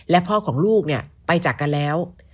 และพ่อของลูกเนี่ยไปจากกันแล้ว